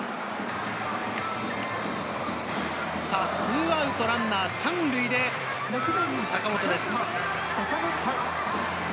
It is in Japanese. ２アウトランナー３塁で坂本です。